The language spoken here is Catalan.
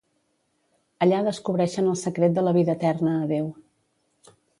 Allà descobreixen el secret de la vida eterna a Déu.